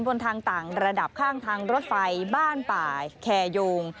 บนทางต่างระดับข้างทางรถไฟบ้านป่าแคโยง